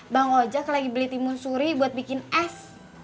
bang ojek lagi beli timun suri buat bikin es